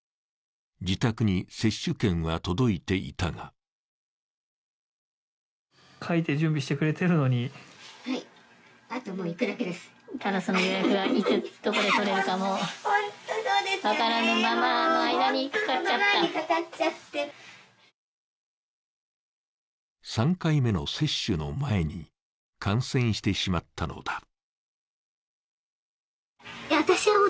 自宅に接種券は届いていたが３回目の接種の前に、感染してしまったのだ。